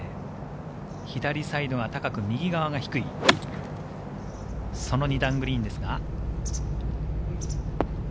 左サイドが高く、右サイドが低い、その２段グリーンです。